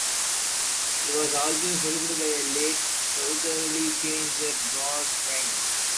It was also helped by a late Southerly Change that brought rain.